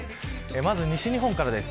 まず西日本からです。